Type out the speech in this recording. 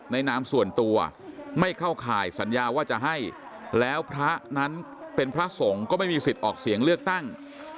นามส่วนตัวไม่เข้าข่ายสัญญาว่าจะให้แล้วพระนั้นเป็นพระสงฆ์ก็ไม่มีสิทธิ์ออกเสียงเลือกตั้ง